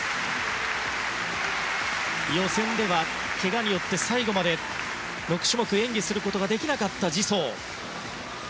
予選では、けがによって最後まで６種目、演技することができなかったジ・ソウ。